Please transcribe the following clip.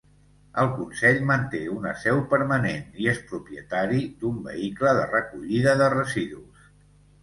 El consell manté una seu permanent i és propietari d'un vehicle de recollida de residus.